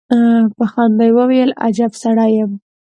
په خندا يې وويل: اجب سړی يم.